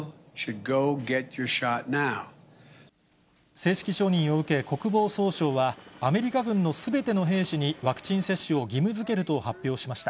正式承認を受け、国防総省は、アメリカ軍のすべての兵士にワクチン接種を義務づけると発表しました。